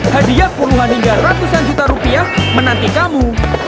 hadiah puluhan hingga ratusan juta rupiah menanti kamu